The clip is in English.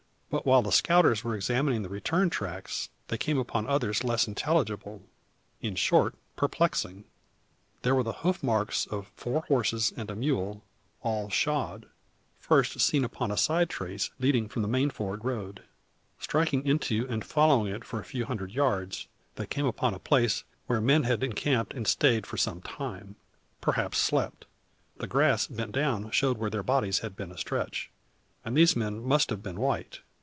But, while the scouters were examining the return tracks, they came upon others less intelligible in short, perplexing. There were the hoof marks of four horses and a mule all shod; first seen upon a side trace leading from the main ford road. Striking into and following it for a few hundred yards, they came upon a place where men had encamped and stayed for some time perhaps slept. The grass bent down showed where their bodies had been astretch. And these men must have been white.